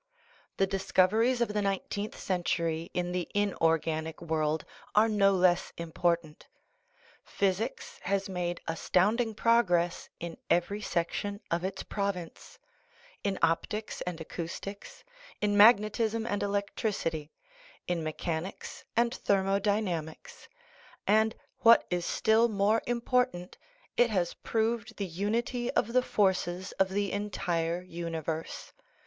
The discoveries of the nineteenth century in the in organic world are no less important. Physics has made astounding progress in every section of its province in optics and acoustics, in magnetism and electricity, in mechanics and thermo dynamics ; and, what is still more important, it has proved the unity of the forces of the entire universe.